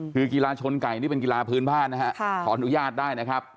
คือกีฬาชนไก่นี่เป็นกีฬาพื้นบ้านนะฮะขออนุญาตได้นะครับ